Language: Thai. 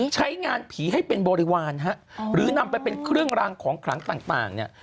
ใช้งานผีให้เป็นบริวารฮะหรือนำไปเป็นเครื่องรางของขลังต่างเนี่ย